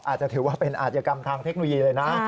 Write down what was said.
อาจจะถือว่าเป็นอาจยกรรมทางเทคโนโลยีเลยนะ